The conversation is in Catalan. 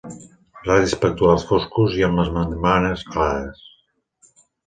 Radis pectorals foscos i amb les membranes clares.